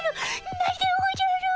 ないでおじゃる。